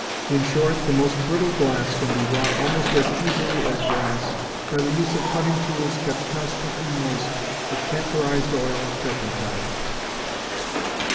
In short, the most brittle glass can be wrought almost as easily as brass by the use of cutting tools kept constantly moist with camphorized oil of turpentine.